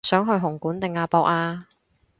想去紅館定亞博啊